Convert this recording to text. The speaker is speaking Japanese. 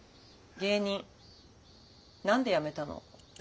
芸人何でやめたの？